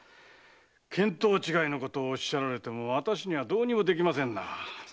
見当違いのことをおっしゃられても私にはどうにもできませんな。